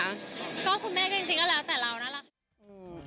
ก็คุณแม่จริงก็แล้วแต่เราน่ารัก